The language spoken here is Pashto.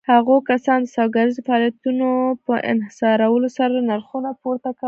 هغو کسانو د سوداګريزو فعاليتونو په انحصارولو سره نرخونه پورته کول.